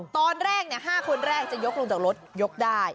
ตอนแรก๕คนแรกจะยกลงจากรถยกได้